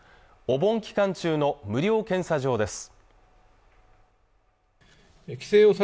お盆期間中の無料検査場です